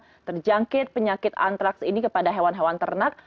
apakah mereka sudah mulai mengatakan bahwa terjangkit antraks ini kepada hewan hewan ternak